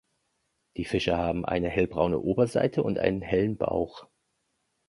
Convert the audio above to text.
Die Fische haben eine hellbraune Oberseite und einen hellen Bauch.